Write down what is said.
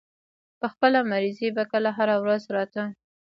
پۀ خپله مرضۍ به کله هره ورځ راتۀ